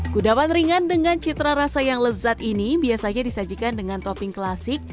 kudapan ringan dengan citra rasa yang lezat ini biasanya disajikan dengan topping klasik